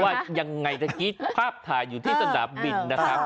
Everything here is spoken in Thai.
ว่ายังไงเมื่อกี้ภาพถ่ายอยู่ที่สนามบินนะครับ